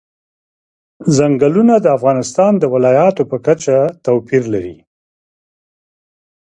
چنګلونه د افغانستان د ولایاتو په کچه توپیر لري.